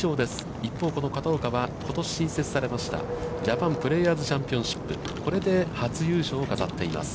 一方、この片岡は、ことし新設されましたジャパンプレーヤーズチャンピオンシップ、これで初優勝を飾っています。